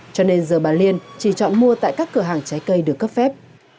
cho nên giờ bà liên chỉ chọn mua tại các cửa hàng trái cây được cấp phép